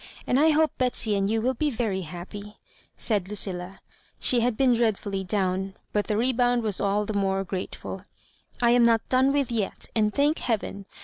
And I hope Betsy and you will be very happy," said Lucilla. She had been dreadfully down, but the rebound was aU the more grateful. " I am not done with yet, and, thank heaven!